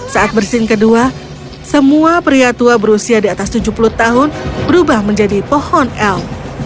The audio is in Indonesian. saat bersin kedua semua pria tua berusia di atas tujuh puluh tahun berubah menjadi pohon el